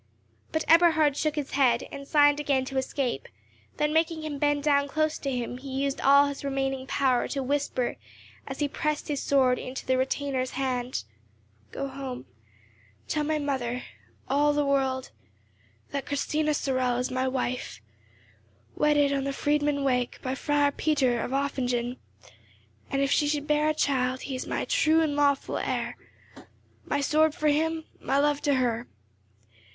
But Eberhard shook his head, and signed again to escape; then, making him bend down close to him, he used all his remaining power to whisper, as he pressed his sword into the retainer's hand,— "Go home; tell my mother—all the world—that Christina Sorel is my wife, wedded on the Friedmund Wake by Friar Peter of Offingen, and if she should bear a child, he is my true and lawful heir. My sword for him—my love to her.